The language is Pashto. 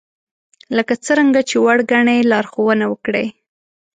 لکه څرنګه چې وړ ګنئ لارښوونه وکړئ